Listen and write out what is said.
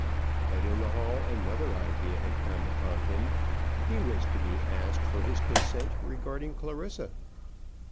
But in the hall another idea had come upon him. He was to be asked for his consent regarding Clarissa.